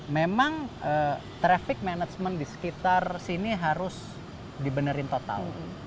memang traffic management di sekitar sini harus dibenerin total